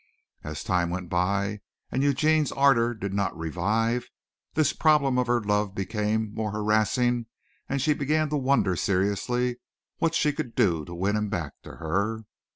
As time went by and Eugene's ardor did not revive, this problem of her love became more harrassing and she began to wonder seriously what she could do to win him back to her.